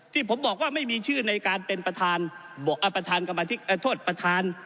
ที่ผมบอกว่าไม่มีชื่อในการเป็นประธานกรรมธิกโทษประธาน